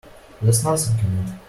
There's nothing in it.